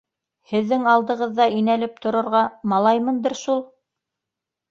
— Һеҙҙең алдығыҙҙа инәлеп торорға малаймындыр шул!